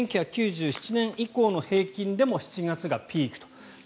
１９９７年以降の平均でも７月がピークと。